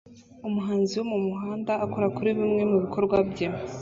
Umuhanzi wo mumuhanda akora kuri bimwe mubikorwa bye